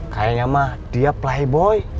kayaknya mah dia playboy